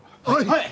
はい。